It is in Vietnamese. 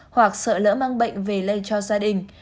hoặc sợ lỡ mang bệnh về lây cho gia đình